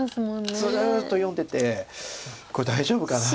ずっと読んでてこれ大丈夫かなって。